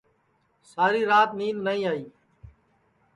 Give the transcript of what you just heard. ساری رات نید نائی آئی